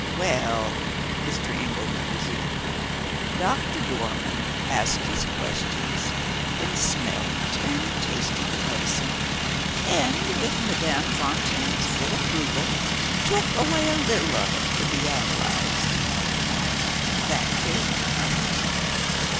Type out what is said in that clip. "Well," Mr. Engelman resumed, "Doctor Dormann asked his questions, and smelt and tasted the medicine, and with Madame Fontaine's full approval took away a little of it to be analyzed. That came to nothing!